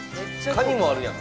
カニもあるやん。